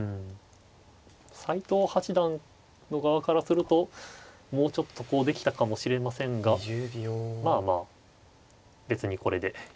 斎藤八段の側からするともうちょっとこうできたかもしれませんがまあまあ別にこれで行くと。